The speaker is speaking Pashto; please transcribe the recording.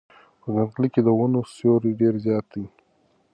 په ځنګل کې د ونو سیوری ډېر زیات دی.